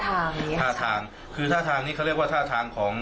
คือท่าทางนี้ใช่ไหมครับคือท่าทางนี้เขาเรียกว่าท่าทางของ